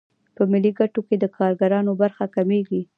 په ملي ګټو کې د کارګرانو برخه کمېږي